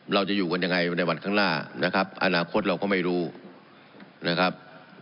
เราจะอยู่กันยังไงในวันข้างหน้านะครับอนาคตเราก็ไม่รู้นะครับ